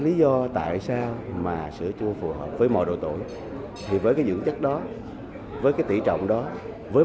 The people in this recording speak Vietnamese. lý do tại sao mà sữa chua phù hợp với mọi độ tuổi thì với cái dưỡng chất đó với cái tỉ trọng đó với